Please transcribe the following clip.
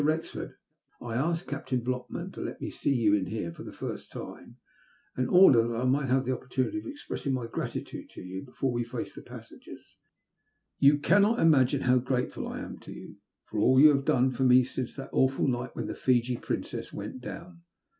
Wrexford, I asked Captain Blockman to let me see you in here for the first time, in order that I might have an opportunity of expressing my grad tude to you before we face the passengers. Yon cannot imagine how grateful I am to you for all yon have done for me since that awful night when the Fiji Princess went down.